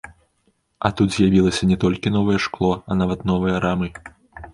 А тут з'явілася не толькі новае шкло, а нават новыя рамы!